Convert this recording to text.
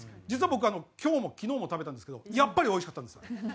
実は僕今日も昨日も食べたんですけどやっぱり美味しかったんですよね。